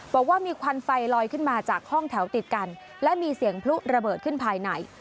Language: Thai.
บอกว่ามีควันไฟลอยขึ้นมาจากห้องแถวติดกันและมีเสียงพลุระเบิดขึ้นภายใน